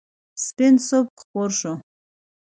سپین صبح خپور شو.